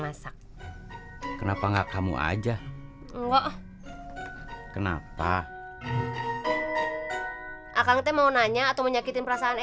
masak kenapa enggak kamu aja enggak kenapa akan kemau nanya atau menyakitin perasaan